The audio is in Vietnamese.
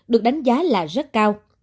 được đánh giá là rất cao